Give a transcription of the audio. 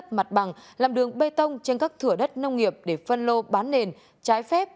ông việt đã làm đường bê tông trên các thửa đất nông nghiệp để phân lô bán nền trái phép